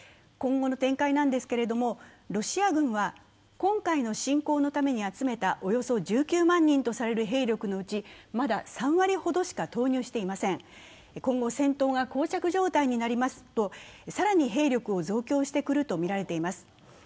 今後の展開ですけれども、ロシア軍は今回の侵攻のために集めたおよそ１９万人とされる兵力のうち、まだ３割ほどしか投入していません今後、戦闘がこう着状態になりますと、更に兵力を増強してくるとみられています。